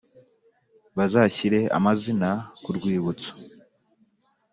Bazashyire amazina ku rwibutso